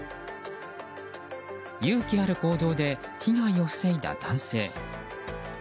勇気ある行動で被害を防いだ男性。